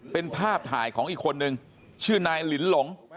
เป็นภาพถ่ายของอีกคนนึงชื่อนายลินหลง